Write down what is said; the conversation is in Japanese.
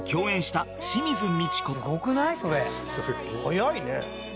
「早いね」